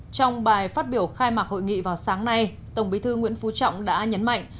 trong bài phát biểu khai mạc hội nghị vào sáng nay tổng bí thư nguyễn phú trọng đã nhấn mạnh